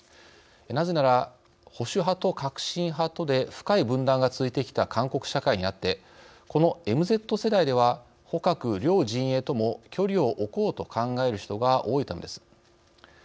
なぜなら、保守派と革新派とで深い分断が続いてきた韓国社会にあってこの「ＭＺ世代」では保革両陣営とも距離を置こうと考える人が多いためです。